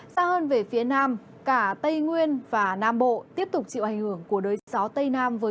xa hơn về phía nam cả tây nguyên và nam bộ tiếp tục chịu ảnh hưởng của đới gió tây nam với